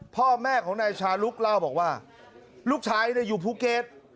พ่อแม่ของนายชาลุกเล่าบอกว่าลูกชายอยู่ภูเก็ต